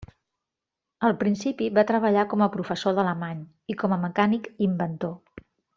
Al principi, va treballar com a professor d'alemany i com a mecànic inventor.